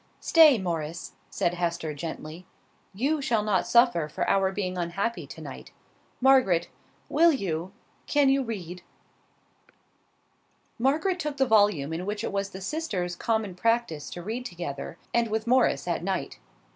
"Stay, Morris," said Hester, gently. "You shall not suffer for our being unhappy to night. Margaret, will you, can you read?" Margaret took the volume in which it was the sisters' common practice to read together, and with Morris at night.